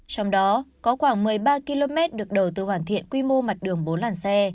trong đó có khoảng một mươi ba km được đầu tư hoàn thiện quy mô mặt đường bốn làn xe